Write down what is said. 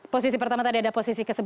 posisi pertama tadi ada posisi ke sebelas